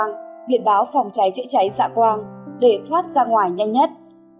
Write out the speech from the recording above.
kỹ năng bốn viện báo phòng cháy chữa cháy dạ quang để thoát ra ngoài nhanh nhất